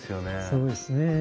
そうですね。